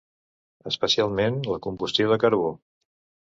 Especialment la combustió de carbó.